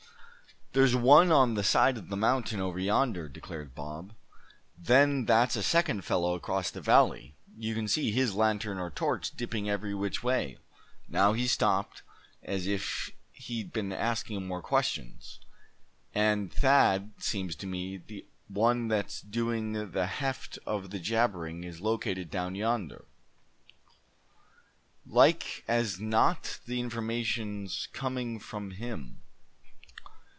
"There's one on the side of the mountain over yonder," declared Bob; "then that's a second fellow across the valley; you can see his lantern or torch dipping every which way; now he's stopped, as if he'd been asking more questions. And Thad, seems to me, the one that's doing the heft of the jabbering is located down yonder. Like as not the information's coming from him."